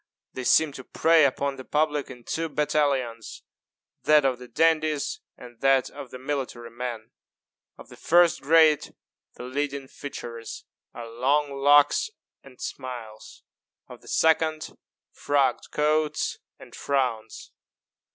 They seem to prey upon the public in two battalions that of the dandies and that of the military men. Of the first grade the leading features are long locks and smiles; of the second frogged coats and frowns.